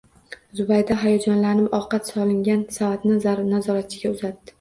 Zubayda hayajonlanib ovqat solingan savatni nazoratchiga uzatdi